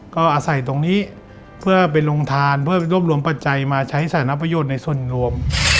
ก็อาศัยตรงนี้เพื่อเป็นโรงทานเพื่อไปรวบรวมปัจจัยมาใช้สารประโยชน์ในส่วนรวม